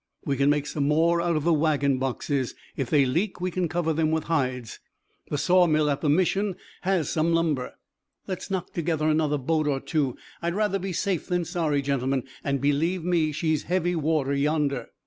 We can make some more out of the wagon boxes. If they leak we can cover them with hides. The sawmill at the mission has some lumber. Let's knock together another boat or two. I'd rather be safe than sorry, gentlemen; and believe me, she's heavy water yonder."